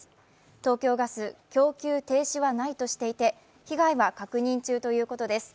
東京ガス、供給停止はないとしていて被害は確認中ということです。